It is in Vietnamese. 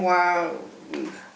hoa hồng này